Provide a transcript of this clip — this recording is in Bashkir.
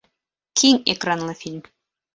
Киң экранлы фильм